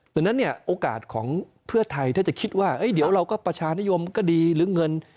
ดังนั้นเนี่ยโอกาสของเพื่อไทยถ้าจะคิดว่าเดี๋ยวเราก็ประชานิยมก็ดีหรือเงิน